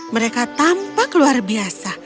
mereka tampak luar biasa